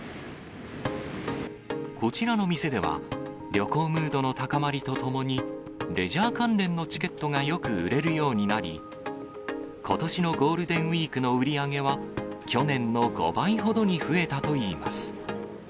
こちらの店では、旅行ムードの高まりとともに、レジャー関連のチケットがよく売れるようになり、ことしのゴールデンウィークの売り上げは、去年の５倍ほどに増えたといいます。